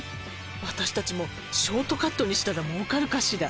私たちもショートカットにしたらもうかるかしら？」